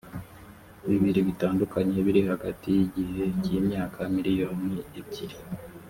bibiri bitandukanye biri hagati y igihe k imyaka miriyoni ebyiri